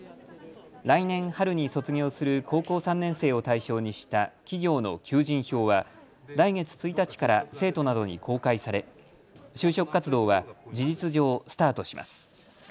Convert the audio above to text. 来年春に卒業する高校３年生を対象にした企業の求人票は来月１日から生徒などに公開され就職活動は事実上スタートします。